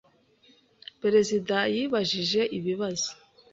Perezida yabajije ibibazo.